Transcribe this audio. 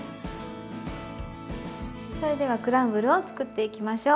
それではクランブルを作っていきましょう。